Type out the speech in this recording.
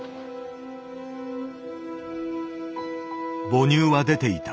母乳は出ていた。